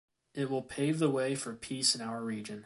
It will pave the way for peace in our region.